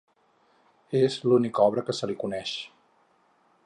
És l'única obra que se li coneix.